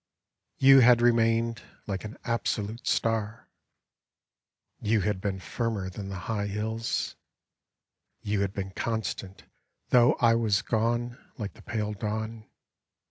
You had remained, like an absolute star; You had been firmer than the high hills; You had been constant though I was gone Like the pale dawn.